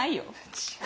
「違う！